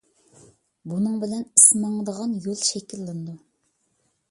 بۇنىڭ بىلەن ئىس ماڭىدىغان يول شەكىللىنىدۇ.